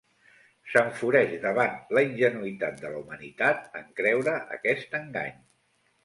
S'enfureix davant la ingenuïtat de la humanitat en creure aquest engany.